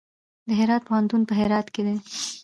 د هرات پوهنتون په هرات کې دی